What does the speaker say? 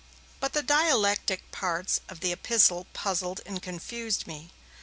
But the dialectic parts of the Epistle puzzled and confused me.